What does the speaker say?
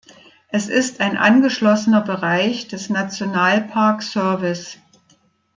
Es ist ein angeschlossener Bereich des National Park Service.